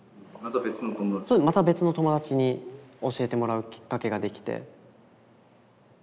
また別の友達に教えてもらうキッカケができて。